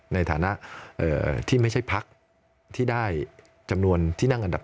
ในฐานะที่ไม่ใช่พักที่ได้จำนวนที่นั่งอันดับ